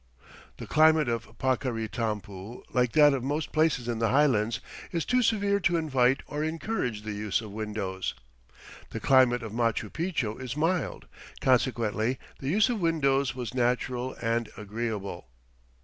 The climate of Paccaritampu, like that of most places in the highlands, is too severe to invite or encourage the use of windows. The climate of Machu Picchu is mild, consequently the use of windows was natural and agreeable.